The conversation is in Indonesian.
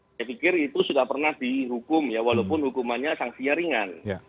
saya pikir itu sudah pernah dihukum ya walaupun hukumannya sanksinya ringan